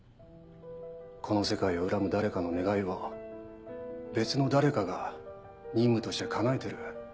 この世界を恨む誰かの願いを別の誰かが任務として叶えてる。